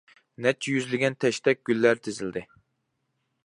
نەچچە يۈزلىگەن تەشتەك گۈللەر تىزىلدى.